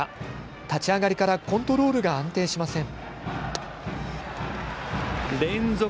立ち上がりからコントロールが安定しません。